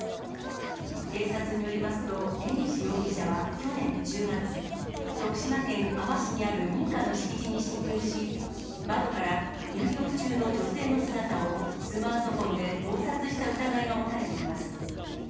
警察によりますと、江西容疑者は去年１０月、徳島県阿波市にある民家の敷地に侵入し、窓から入浴中の女性の姿をスマートフォンで盗撮した疑いが持たれています。